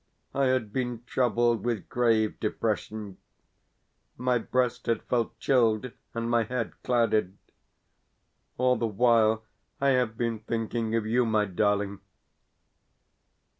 I had been troubled with grave depression my breast had felt chilled, and my head clouded. All the while I had been thinking of you, my darling.